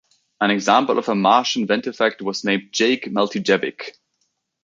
An example of a Martian ventifact was named Jake Matijevic.